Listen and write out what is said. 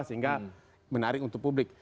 sehingga menarik untuk publik